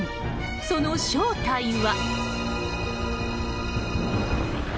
その正体は。